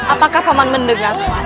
apakah paman mendengar